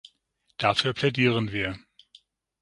Dafür plädieren wir.